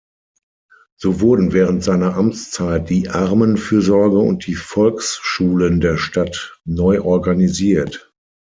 So wurden während seiner Amtszeit die Armenfürsorge und die Volksschulen der Stadt neu organisiert.